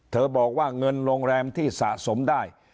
บอกว่าเงินโรงแรมที่สะสมได้